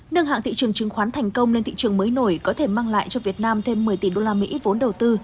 nâng hạng thị trường chứng khoán thành công lên thị trường mới nổi có thể mang lại cho việt nam thêm một mươi tỷ usd vốn đầu tư